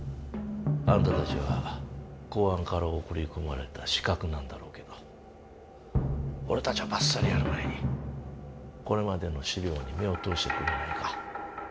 あんたたちは公安から送り込まれた刺客なんだろうけど俺たちをばっさりやる前にこれまでの資料に目を通してくれないか。